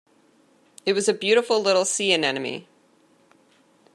It was a beautiful little sea-anemone.